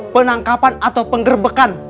penangkapan atau penggerbekan